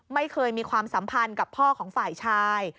ไม่เคยมีความสัมพันธ์กับพ่อของฝ่ายชาย